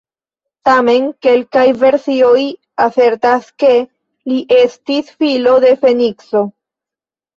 Tamen, kelkaj versioj asertas ke li estis filo de Fenikso.